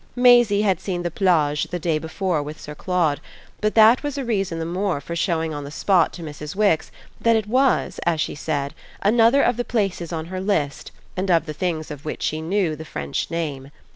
Maisie had seen the plage the day before with Sir Claude, but that was a reason the more for showing on the spot to Mrs. Wix that it was, as she said, another of the places on her list and of the things of which she knew the French name.